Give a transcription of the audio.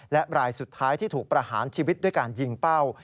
และรายสุดท้ายที่ถูกประหารชีวิตด้วยการยิงเป้า